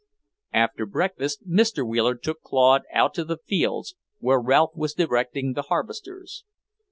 After breakfast Mr. Wheeler took Claude out to the fields, where Ralph was directing the harvesters.